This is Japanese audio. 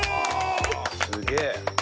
すげえ。